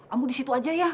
ambu disitu aja ya